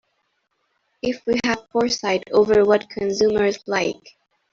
If we have foresight over what consumers like.